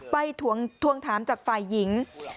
ทวงถามจากฝ่ายหญิง